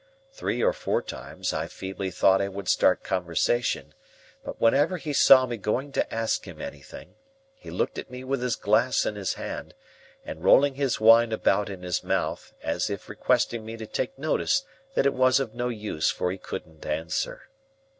Three or four times I feebly thought I would start conversation; but whenever he saw me going to ask him anything, he looked at me with his glass in his hand, and rolling his wine about in his mouth, as if requesting me to take notice that it was of no use, for he couldn't answer.